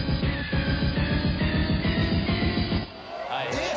えっ